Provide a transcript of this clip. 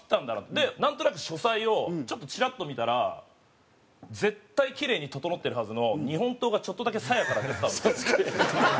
でなんとなく書斎をちょっとチラッと見たら絶対キレイに整ってるはずの日本刀がちょっとだけ鞘から出てたんですよ。